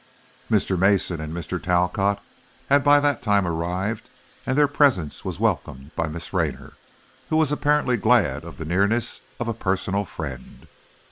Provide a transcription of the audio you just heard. Mr. Mason and Mr. Talcott had by this time arrived, and their presence was welcomed by Miss Raynor, who was apparently glad of the nearness of a personal friend.